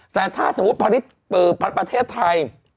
แต่ถ้าสมมุติประเทศไทย